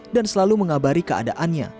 dan selalu mengabari keadaannya